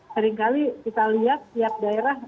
seringkali kita lihat tiap daerah